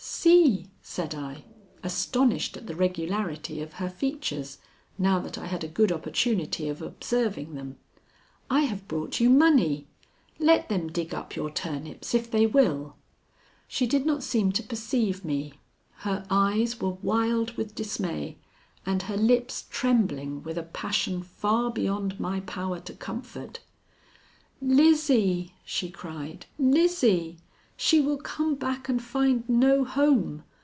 "See!" said I, astonished at the regularity of her features, now that I had a good opportunity of observing them. "I have brought you money. Let them dig up your turnips if they will." She did not seem to perceive me. Her eyes were wild with dismay and her lips trembling with a passion far beyond my power to comfort. "Lizzie!" she cried. "Lizzie! She will come back and find no home.